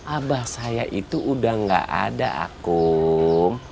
abah saya itu udah gak ada akum